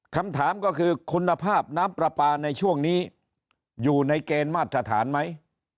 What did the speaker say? คำถามก็คือคุณภาพน้ำปลาปลาในช่วงนี้อยู่ในเกณฑ์มาตรฐานไหม